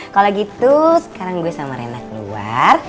kalau gitu sekarang gue sama rena keluar